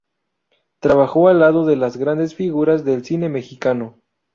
Trabajó al lado de las grandes figuras del cine mexicano.